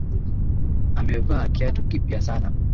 Amevaa kiatu kipya sana.